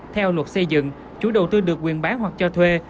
theo luật xây dựng chủ đầu tư được quyền bán hoặc cho thuê